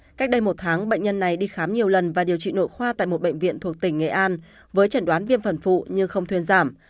cách đây một tháng bệnh nhân này đi khám nhiều lần và điều trị nội khoa tại một bệnh viện thuộc tỉnh nghệ an với chẩn đoán viêm phần phụ nhưng không thuyên giảm